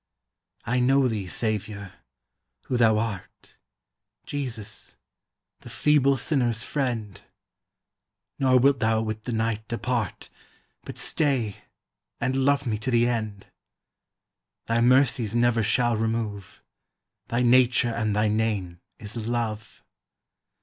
I know thee, Saviour, who thou art, Jesus, the feeble sinner's friend; Nor wilt thou with the night depart, But stay and love me to the end; Thy mercies never shall remove; Thy nature and thy name is Love.